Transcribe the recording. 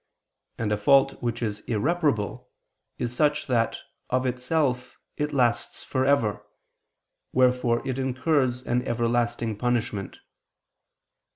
And a fault which is irreparable, is such that, of itself, it lasts for ever; wherefore it incurs an everlasting punishment.